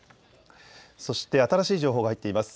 そして新しい情報が入っています。